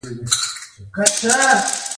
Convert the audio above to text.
د کابل سیند د افغانستان د جغرافیې بېلګه ده.